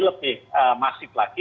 lebih masif lagi